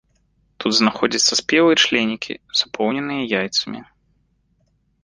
Тут знаходзяцца спелыя членікі, запоўненыя яйцамі.